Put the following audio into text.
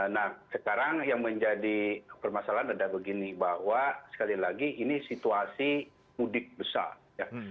nah sekarang yang menjadi permasalahan adalah begini bahwa sekali lagi ini situasi mudik besar ya